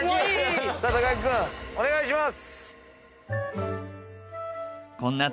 木君お願いします。